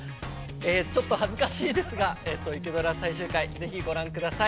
ちょっと恥ずかしいですが「イケドラ」最終回ぜひご覧ください。